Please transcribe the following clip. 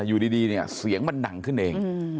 อยู่ดีเนี่ยเสียงมันดังขึ้นเอง